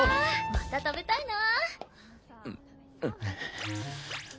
また食べたいな。